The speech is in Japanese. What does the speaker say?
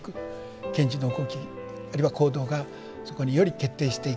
賢治の動きあるいは行動がそこにより決定していく。